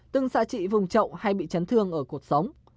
từng xã trị vùng trậu hay bị chấn thương ở cuộc sống